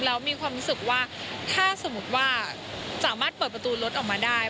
แล้วมีความรู้สึกว่าถ้าสมมุติว่าสามารถเปิดประตูรถออกมาได้